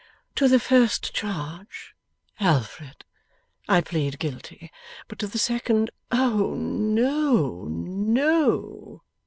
'To the first charge, Alfred, I plead guilty. But to the second, oh no, no!